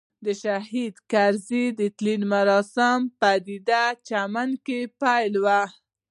د شهید کرزي د تلین مراسم پدې چمن کې پیل وو.